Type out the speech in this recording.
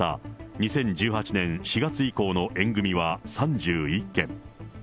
２０１８年４月以降の縁組は３１件。